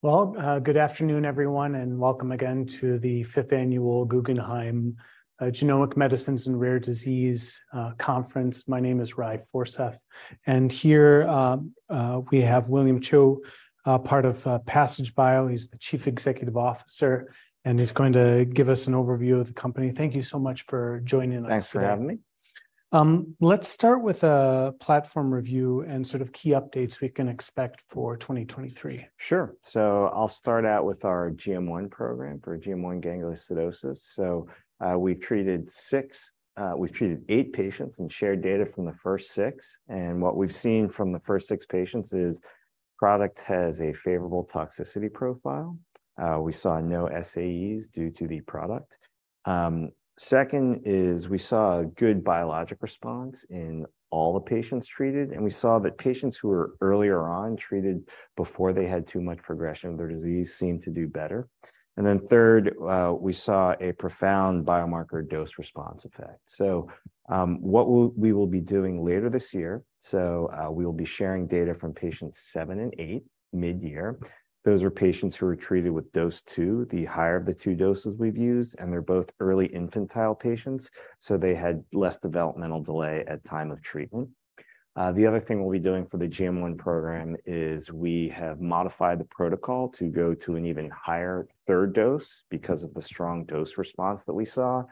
Well, good afternoon everyone, and welcome again to the fifth annual Guggenheim Genomic Medicines and Rare Disease Conference. My name is Ry Forseth, and here we have William Chou, part of Passage Bio. He's the chief executive officer, and he's going to give us an overview of the company. Thank you so much for joining us today. Thanks for having me. Let's start with a platform review and sort of key updates we can expect for 2023. Sure. I'll start out with our GM1 program for GM1 gangliosidosis. We've treated 8 patients and shared data from the first 6. What we've seen from the first 6 patients is product has a favorable toxicity profile. We saw no SAEs due to the product. Second is we saw a good biologic response in all the patients treated, and we saw that patients who were earlier on treated before they had too much progression of their disease seemed to do better. Third, we saw a profound biomarker dose response effect. We will be doing later this year, we'll be sharing data from patients 7 and 8 midyear. Those are patients who were treated with dose 2, the higher of the 2 doses we've used, and they're both early infantile patients, so they had less developmental delay at time of treatment. The other thing we'll be doing for the GM1 program is we have modified the protocol to go to an even higher 3rd dose because of the strong dose response that we saw,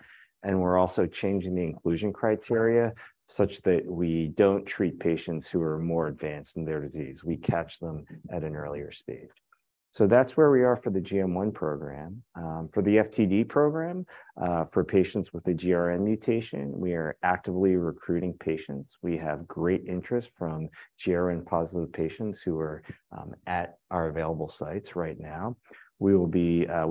and we're also changing the inclusion criteria such that we don't treat patients who are more advanced in their disease. We catch them at an earlier stage. That's where we are for the GM1 program. For the FTD program, for patients with the GRN mutation, we are actively recruiting patients. We have great interest from GRN-positive patients who are at our available sites right now. We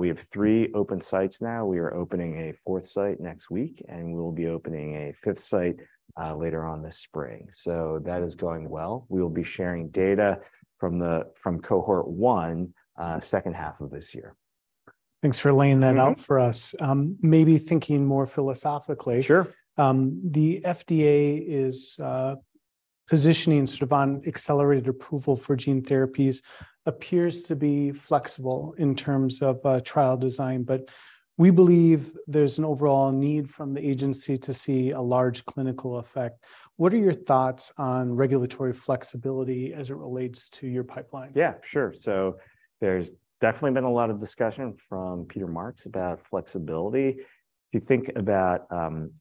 have 3 open sites now. We are opening a fourth site next week, and we will be opening a fifth site, later on this spring. That is going well. We will be sharing data from cohort one, second half of this year. Thanks for laying that out for us. Mm-hmm. Maybe thinking more philosophically. Sure... the FDA is positioning sort of on accelerated approval for gene therapies appears to be flexible in terms of trial design, but we believe there's an overall need from the agency to see a large clinical effect. What are your thoughts on regulatory flexibility as it relates to your pipeline? Yeah. Sure. There's definitely been a lot of discussion from Peter Marks about flexibility. If you think about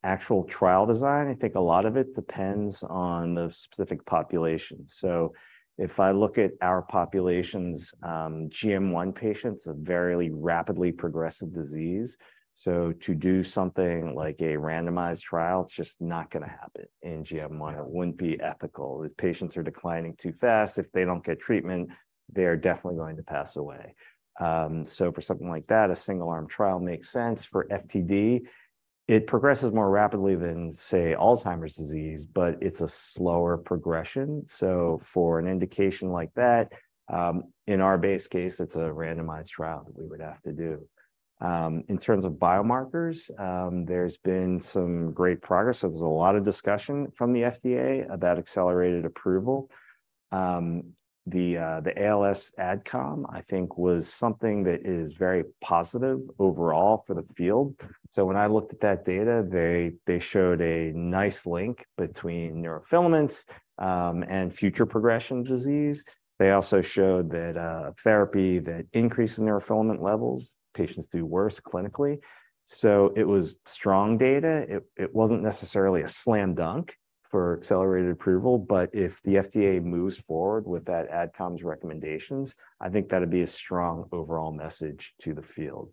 actual trial design, I think a lot of it depends on the specific population. If I look at our populations, GM1 patients have very rapidly progressive disease, so to do something like a randomized trial, it's just not gonna happen in GM1. It wouldn't be ethical. These patients are declining too fast. If they don't get treatment, they are definitely going to pass away. For something like that, a single-arm trial makes sense. For FTD, it progresses more rapidly than, say, Alzheimer's disease, but it's a slower progression. For an indication like that, in our base case, it's a randomized trial that we would have to do. In terms of biomarkers, there's been some great progress. There's a lot of discussion from the FDA about accelerated approval. The ALS adcom, I think, was something that is very positive overall for the field. When I looked at that data, they showed a nice link between neurofilaments and future progression of disease. They also showed that a therapy that increased the neurofilament levels, patients do worse clinically. It was strong data. It wasn't necessarily a slam dunk for accelerated approval, but if the FDA moves forward with that adcom's recommendations, I think that'd be a strong overall message to the field.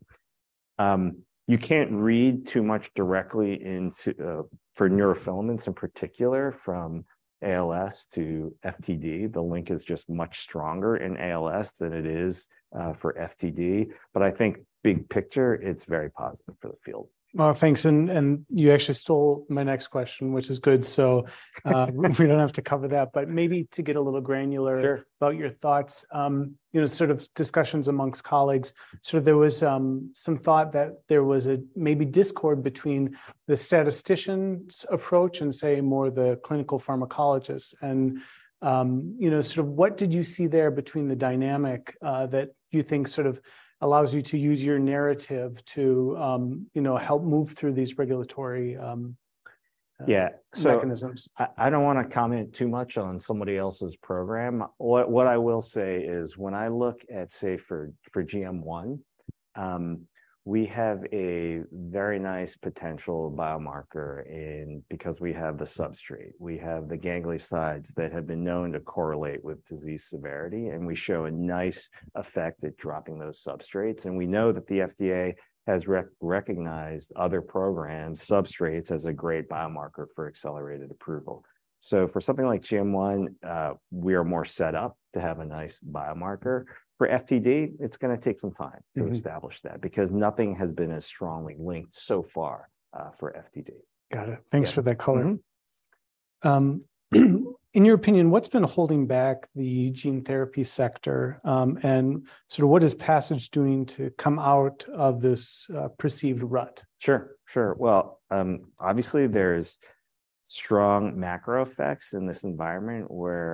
You can't read too much directly into for neurofilaments in particular from ALS to FTD. The link is just much stronger in ALS than it is for FTD, but I think big picture, it's very positive for the field. Well, thanks. You actually stole my next question, which is good. We don't have to cover that, but maybe to get a little granular- Sure... about your thoughts, you know, sort of discussions amongst colleagues. There was some thought that there was a maybe discord between the statistician's approach and, say, more the clinical pharmacologist's. You know, sort of what did you see there between the dynamic that you think sort of allows you to use your narrative to, you know, help move through these regulatory? Yeah... mechanisms? I don't wanna comment too much on somebody else's program. What I will say is when I look at, say, for GM1, we have a very nice potential biomarker and because we have the substrate. We have the gangliosides that have been known to correlate with disease severity, and we show a nice effect at dropping those substrates. We know that the FDA has recognized other programs' substrates as a great biomarker for accelerated approval. For something like GM1, we are more set up to have a nice biomarker. For FTD, it's gonna take some time. Mm-hmm... to establish that because nothing has been as strongly linked so far, for FTD. Got it. Yeah. Mm-hmm. Thanks for that color. In your opinion, what's been holding back the gene therapy sector, and sort of what is Passage doing to come out of this perceived rut? Sure. Sure. Well, obviously there's strong macro effects in this environment where,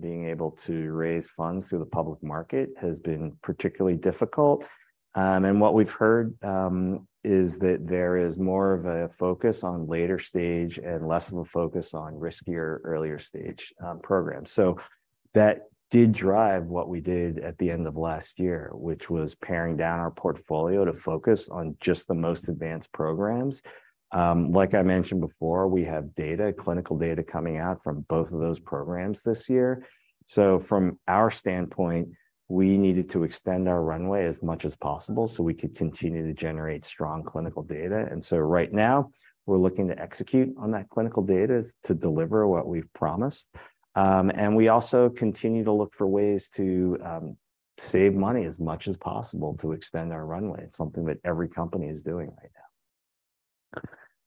being able to raise funds through the public market has been particularly difficult. What we've heard is that there is more of a focus on later stage and less of a focus on riskier earlier stage programs. That did drive what we did at the end of last year, which was paring down our portfolio to focus on just the most advanced programs. Like I mentioned before, we have data, clinical data coming out from both of those programs this year. From our standpoint, we needed to extend our runway as much as possible so we could continue to generate strong clinical data. Right now we're looking to execute on that clinical data to deliver what we've promised. We also continue to look for ways to save money as much as possible to extend our runway. It's something that every company is doing right now.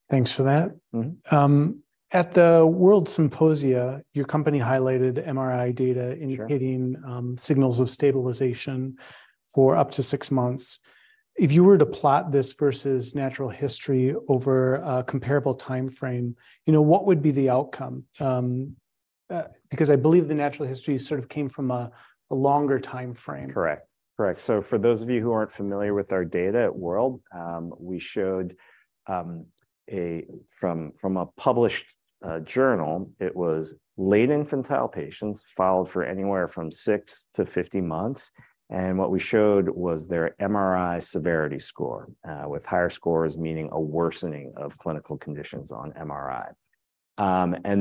Thanks for that. Mm-hmm. At the WORLDSymposium, your company highlighted MRI data. Sure... indicating signals of stabilization for up to six months. If you were to plot this versus natural history over a comparable timeframe, you know, what would be the outcome? Because I believe the natural history sort of came from a longer timeframe. Correct. Correct. For those of you who aren't familiar with our data at World, we showed from a published journal, it was late infantile patients followed for anywhere from 6 to 50 months. What we showed was their MRI severity score, with higher scores, meaning a worsening of clinical conditions on MRI.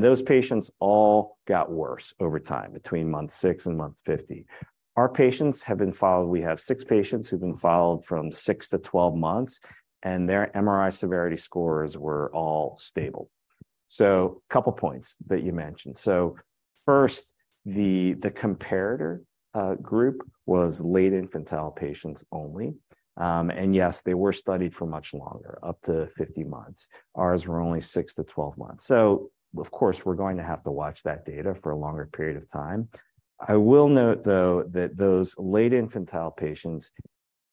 Those patients all got worse over time between month 6 and month 50. Our patients have been followed. We have 6 patients who've been followed from 6 to 12 months, and their MRI severity scores were all stable. A couple points that you mentioned. First, the comparator group was late infantile patients only. Yes, they were studied for much longer, up to 50 months. Ours were only 6 to 12 months. Of course, we're going to have to watch that data for a longer period of time. I will note, though, that those late infantile patients,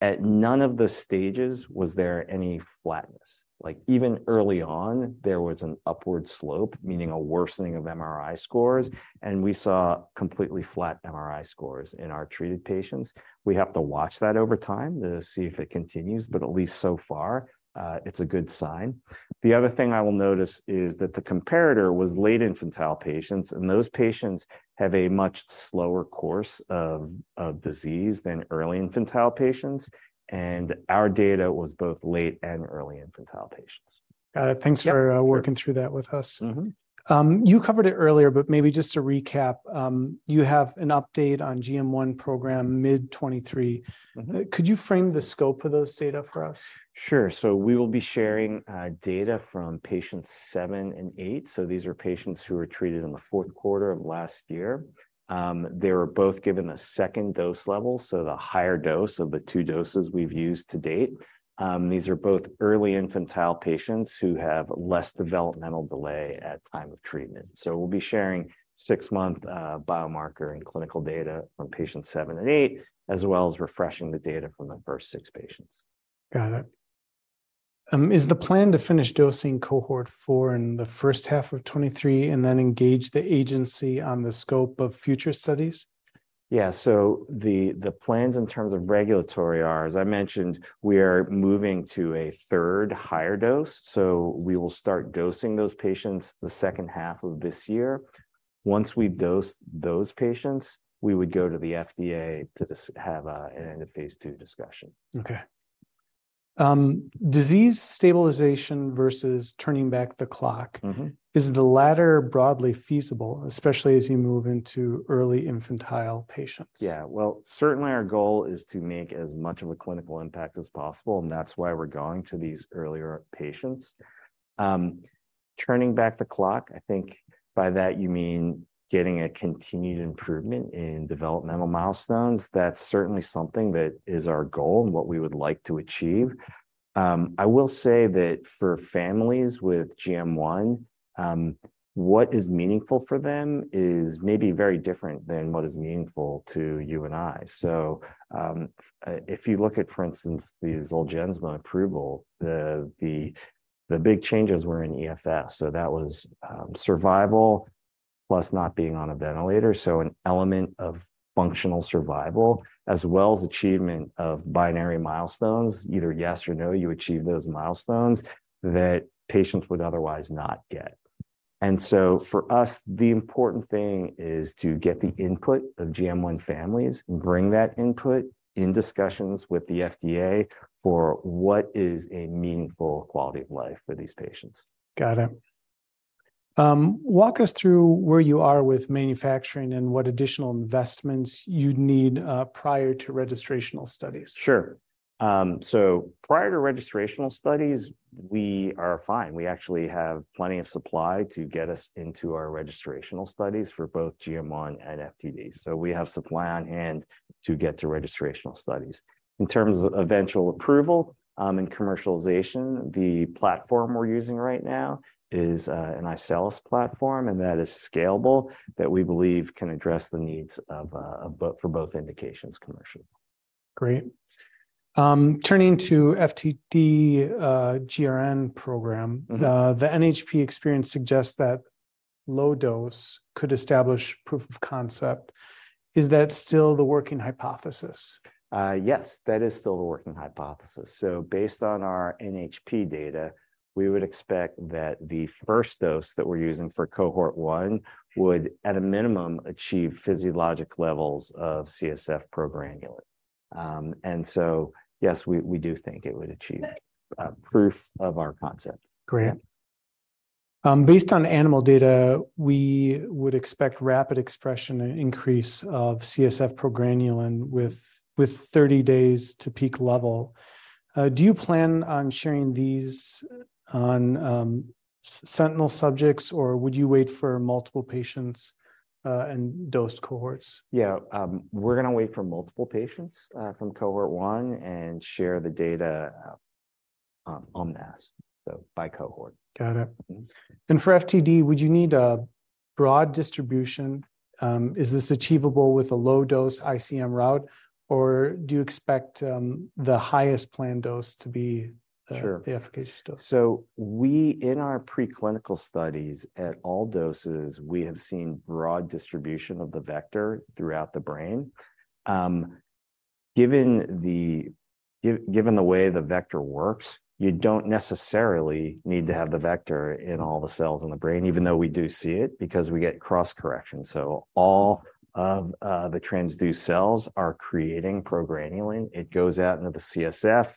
at none of the stages was there any flatness. Like, even early on, there was an upward slope, meaning a worsening of MRI scores, and we saw completely flat MRI scores in our treated patients. We have to watch that over time to see if it continues, but at least so far, it's a good sign. The other thing I will notice is that the comparator was late infantile patients, and those patients have a much slower course of disease than early infantile patients. Our data was both late and early infantile patients. Got it. Yeah. Thanks for working through that with us. Mm-hmm. You covered it earlier, but maybe just to recap, you have an update on GM1 program mid-2023. Mm-hmm. Could you frame the scope of those data for us? Sure. We will be sharing data from patients 7 and 8. These are patients who were treated in the 4th quarter of last year. They were both given the 2nd dose level, the higher dose of the 2 doses we've used to date. These are both early infantile patients who have less developmental delay at time of treatment. We'll be sharing 6-month biomarker and clinical data from patients 7 and 8, as well as refreshing the data from the 1st 6 patients. Got it. Is the plan to finish dosing cohort 4 in the first half of 2023 and then engage the agency on the scope of future studies? The plans in terms of regulatory are, as I mentioned, we are moving to a 3rd higher dose, so we will start dosing those patients the second half of this year. Once we dose those patients, we would go to the FDA to have a phase 2 discussion. Okay. disease stabilization versus turning back the clock- Mm-hmm is the latter broadly feasible, especially as you move into early infantile patients? Yeah. Well, certainly our goal is to make as much of a clinical impact as possible. That's why we're going to these earlier patients. Turning back the clock, I think by that you mean getting a continued improvement in developmental milestones. That's certainly something that is our goal and what we would like to achieve. I will say that for families with GM1, what is meaningful for them is maybe very different than what is meaningful to you and I. If you look at, for instance, the Zolgensma approval, the big changes were in EFS. That was survival plus not being on a ventilator, so an element of functional survival as well as achievement of binary milestones, either yes or no, you achieve those milestones that patients would otherwise not get. For us, the important thing is to get the input of GM1 families, bring that input in discussions with the FDA for what is a meaningful quality of life for these patients. Got it. Walk us through where you are with manufacturing and what additional investments you'd need prior to registrational studies. Sure. Prior to registrational studies, we are fine. We actually have plenty of supply to get us into our registrational studies for both GM1 and FTD. We have supply on hand to get to registrational studies. In terms of eventual approval and commercialization, the platform we're using right now is an iCELLis platform, and that is scalable, that we believe can address the needs of for both indications commercially. Great. Turning to FTD GRN program. Mm-hmm. The NHP experience suggests that low dose could establish proof of concept. Is that still the working hypothesis? Yes, that is still the working hypothesis. Based on our NHP data, we would expect that the first dose that we're using for cohort one would, at a minimum, achieve physiologic levels of CSF progranulin. Yes, we do think it would achieve proof of our concept. Great. Based on animal data, we would expect rapid expression increase of CSF progranulin with 30 days to peak level. Do you plan on sharing these on sentinel subjects, or would you wait for multiple patients and dosed cohorts? Yeah. We're gonna wait for multiple patients, from cohort 1 and share the data, en masse, so by cohort. Got it. Mm-hmm. For FTD, would you need a broad distribution? Is this achievable with a low-dose ICM route, or do you expect the highest planned dose to be? Sure the efficacy dose? We, in our preclinical studies, at all doses, we have seen broad distribution of the vector throughout the brain. Given the way the vector works, you don't necessarily need to have the vector in all the cells in the brain, even though we do see it, because we get cross-correction. All of the transduced cells are creating progranulin. It goes out into the CSF.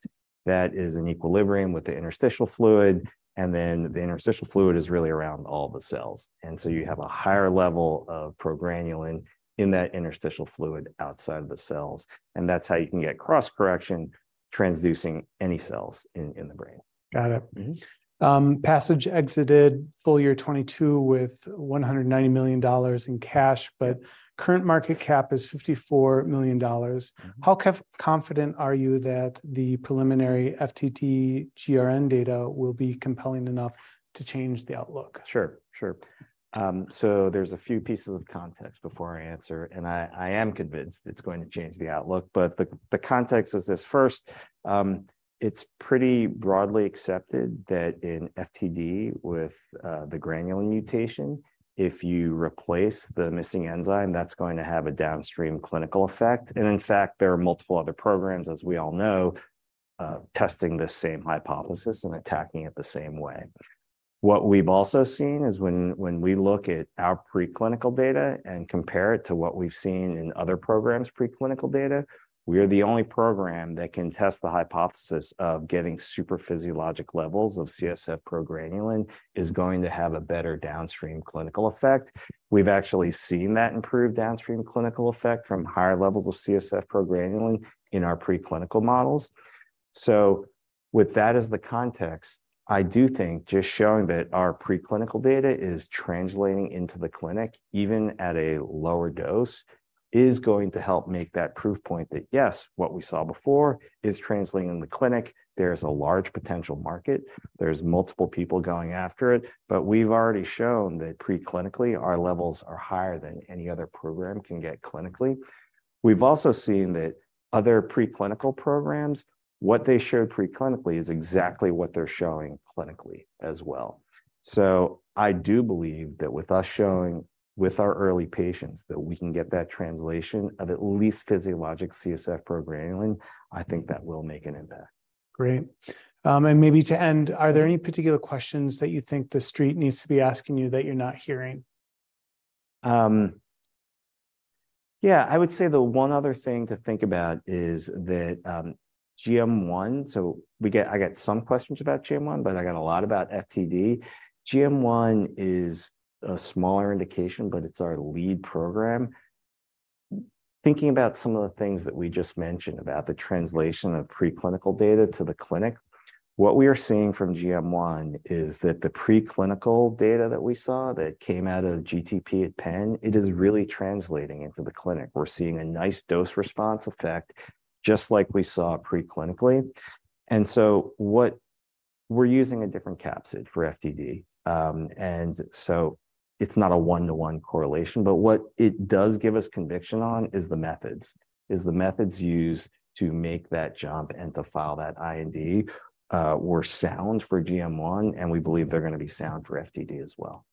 That is in equilibrium with the interstitial fluid, and then the interstitial fluid is really around all the cells. You have a higher level of progranulin in that interstitial fluid outside the cells, and that's how you can get cross-correction transducing any cells in the brain. Got it. Mm-hmm. Passage exited full year 2022 with $190 million in cash. Sure Current market cap is $54 million. Mm-hmm. How confident are you that the preliminary FTD-GRN data will be compelling enough to change the outlook? Sure, sure. There's a few pieces of context before I answer, and I am convinced it's going to change the outlook. The, the context is this. First, it's pretty broadly accepted that in FTD with the granulin mutation, if you replace the missing enzyme, that's going to have a downstream clinical effect. In fact, there are multiple other programs, as we all know, testing the same hypothesis and attacking it the same way. What we've also seen is when we look at our preclinical data and compare it to what we've seen in other programs' preclinical data, we are the only program that can test the hypothesis of getting super physiologic levels of CSF progranulin is going to have a better downstream clinical effect. We've actually seen that improved downstream clinical effect from higher levels of CSF progranulin in our preclinical models. With that as the context, I do think just showing that our preclinical data is translating into the clinic, even at a lower dose, is going to help make that proof point that, yes, what we saw before is translating in the clinic. There is a large potential market. There's multiple people going after it. We've already shown that preclinically, our levels are higher than any other program can get clinically. We've also seen that other preclinical programs, what they showed preclinically is exactly what they're showing clinically as well. I do believe that with us showing with our early patients that we can get that translation of at least physiologic CSF progranulin, I think that will make an impact. Great. Maybe to end, are there any particular questions that you think the street needs to be asking you that you're not hearing? I would say the one other thing to think about is that GM1, I get some questions about GM1, but I get a lot about FTD. GM1 is a smaller indication, but it's our lead program. Thinking about some of the things that we just mentioned about the translation of preclinical data to the clinic, what we are seeing from GM1 is that the preclinical data that we saw, that came out of GTP at Penn, it is really translating into the clinic. We're seeing a nice dose response effect, just like we saw preclinically. We're using a different capsid for FTD. It's not a one-to-one correlation, but what it does give us conviction on is the methods used to make that jump and to file that IND were sound for GM1, and we believe they're gonna be sound for FTD as well.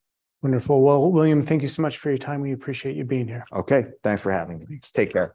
Wonderful. Well, William, thank you so much for your time. We appreciate you being here. Okay, thanks for having me. Thanks. Take care.